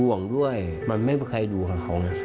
ห่วงด้วยมันไม่มีใครดูของเขาไง